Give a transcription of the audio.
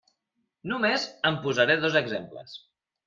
Només en posaré dos exemples.